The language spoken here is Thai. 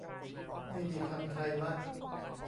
นี่มีคำไทยมะ ?